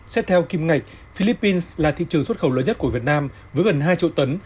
xét theo kim ngạch philippines là thị trường xuất khẩu lớn nhất của việt nam với gần hai triệu tấn